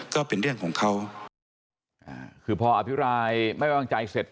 ก็เป็นเรื่องของเขาอ่าคือพออภิปรายไม่วางใจเสร็จ